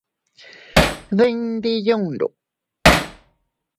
Dinde yundu.